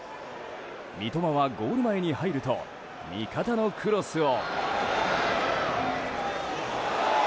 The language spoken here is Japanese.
三笘はゴール前に入ると味方のクロスを。